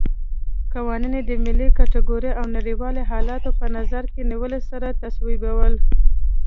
قوانین یې د ملي ګټو او نړیوالو حالاتو په نظر کې نیولو سره تصویبول.